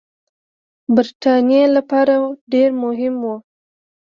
برټانیې لپاره ډېر مهم وه.